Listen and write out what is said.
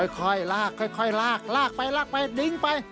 ค่อยลากลากลากไปนิ่งไป